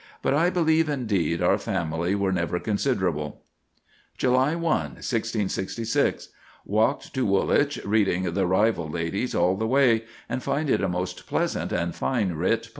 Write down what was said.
But I believe, indeed, our family were never considerable." "July 1, 1666. ... Walked to Woolwich, reading 'The Rivall Ladys' all the way, and find it a most pleasant and fine writ play."